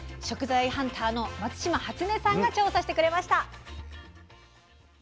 食材ハンターの松嶋初音さんが調査してくれました。